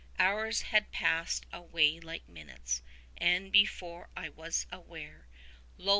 Hours had passed away like minutes; and, before I was aware, Lo!